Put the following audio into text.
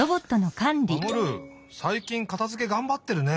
マモルさいきんかたづけがんばってるね。